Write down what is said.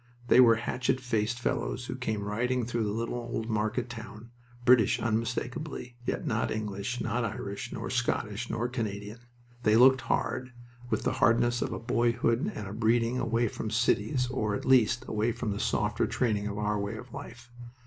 They were hatchet faced fellows who came riding through the little old market town; British unmistakably, yet not English, not Irish, nor Scottish, nor Canadian. They looked hard, with the hardness of a boyhood and a breeding away from cities or, at least, away from the softer training of our way of life.